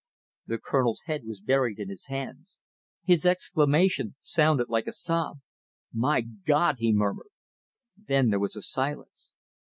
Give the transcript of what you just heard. The Colonel's head was buried in his hands. His exclamation sounded like a sob. "My God!" he murmured. Then there was silence.